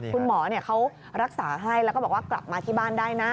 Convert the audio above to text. คุณหมอเขารักษาให้แล้วก็บอกว่ากลับมาที่บ้านได้นะ